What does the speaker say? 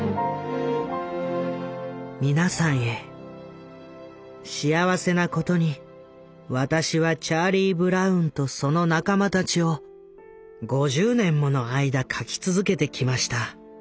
「皆さんへ幸せなことに私はチャーリー・ブラウンとその仲間たちを５０年もの間描き続けてきました。